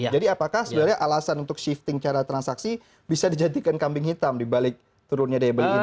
jadi apakah sebenarnya alasan untuk shifting cara transaksi bisa dijadikan kambing hitam dibalik turunnya daya beli ini